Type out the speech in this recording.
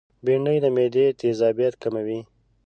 بېنډۍ د معدې تيزابیت کموي